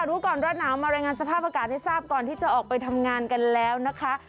รู้ก่อนร้อนหนาวมารายงานสภาพอากาศให้ทราบก่อนที่จะออกไปทำงานกันแล้วนะคะ